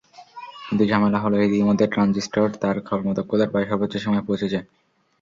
কিন্তু ঝামেলা হলো, এরই মধ্যে ট্রানজিস্টর তার কর্মদক্ষতার প্রায় সর্বোচ্চ সীমায় পৌঁছেছে।